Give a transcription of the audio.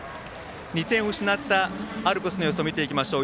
２点を失ったアルプスの様子を見ていきましょう。